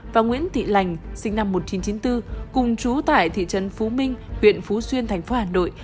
và nguyễn thị lành sinh năm một nghìn chín trăm chín mươi bốn cùng chú tại thị trấn phú minh huyện phú xuyên thành phố hà nội